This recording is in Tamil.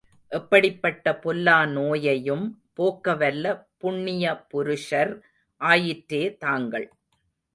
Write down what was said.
எப்படிப் பட்ட பொல்லா நோயையும் போக்க வல்ல புண்ணிய புருஷர் ஆயிற்றே தாங்கள்.